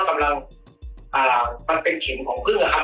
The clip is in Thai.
ก็กำลังมันเป็นเข็มของพึ่งอะครับ